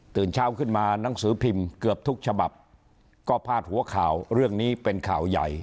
เช้าขึ้นมาหนังสือพิมพ์เกือบทุกฉบับก็พาดหัวข่าวเรื่องนี้เป็นข่าวใหญ่